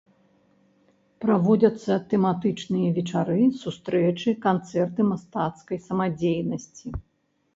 Праводзяцца тэматычныя вечары, сустрэчы, канцэрты мастацкай самадзейнасці.